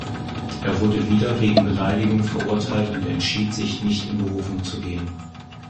Er wurde wieder wegen Beleidigung verurteilt und entschied sich, nicht in Berufung zu gehen.